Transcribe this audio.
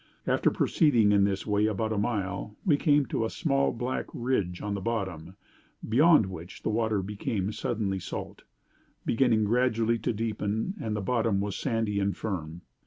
After proceeding in this way about a mile, we came to a small black ridge on the bottom, beyond which the water became suddenly salt, beginning gradually to deepen, and the bottom was sandy and firm.